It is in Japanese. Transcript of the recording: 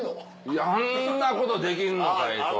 いやあんなことできんのかいと。